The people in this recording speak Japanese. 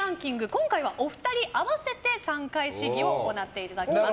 今回はお二人合わせて３回試技を行っていただきます。